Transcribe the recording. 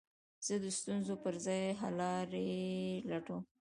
زه د ستونزو پر ځای، حللاري لټوم.